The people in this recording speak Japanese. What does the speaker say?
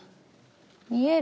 見える？